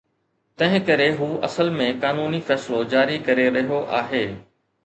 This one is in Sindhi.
تنهنڪري هو اصل ۾ قانوني فيصلو جاري ڪري رهيو آهي